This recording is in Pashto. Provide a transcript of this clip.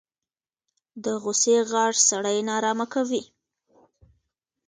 د غوسې غږ سړی نارامه کوي